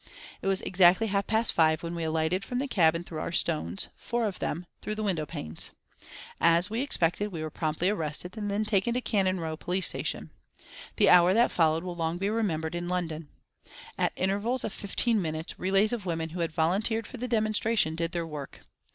It was exactly half past five when we alighted from the cab and threw our stones, four of them, through the window panes. As we expected we were promptly arrested and taken to Cannon Row police station. The hour that followed will long be remembered in London. At intervals of fifteen minutes relays of women who had volunteered for the demonstration did their work.